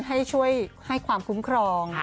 ให้ช่วยให้ความคุ้มครอง